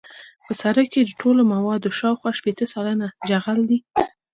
په سرک کې د ټولو موادو شاوخوا شپیته سلنه جغل دی